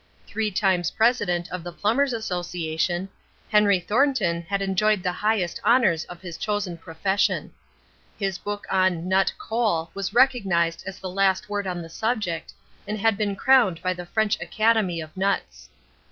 Three times President of the Plumbers' Association, Henry Thornton had enjoyed the highest honours of his chosen profession. His book on Nut Coal was recognized as the last word on the subject, and had been crowned by the French Academy of Nuts.